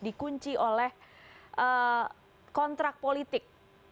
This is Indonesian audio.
dikunci oleh kontrak politik